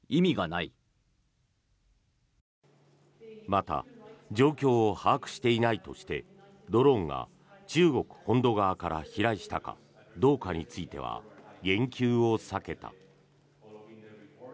また状況を把握していないとしてドローンが中国本土側から飛来したかどうかについては言及を避けた。